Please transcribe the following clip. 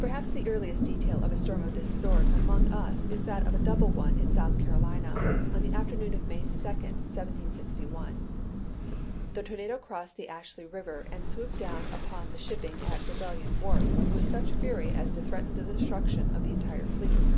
Perhaps the earliest detail of a storm of this sort among us is that of a double one in South Carolina, on the afternoon of May 2, 1761: "The tornado crossed the Ashley River and swooped down upon the shipping at Rebellion Wharf with such fury as to threaten the destruction of the entire fleet.